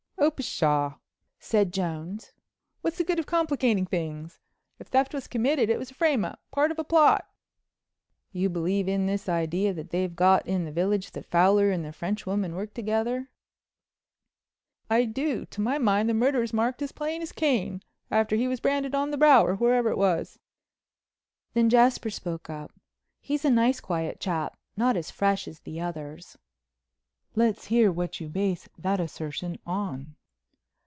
"Oh, pshaw!" said Jones, "what's the good of complicating things? If theft was committed it was a frame up, part of a plot." "You believe in this idea they've got in the village that Fowler and the French woman worked together?" "I do—to my mind the murderer's marked as plain as Cain after he was branded on the brow or wherever it was." Then Jasper spoke up. He's a nice quiet chap, not as fresh as the others. "Let's hear what you base that assertion on."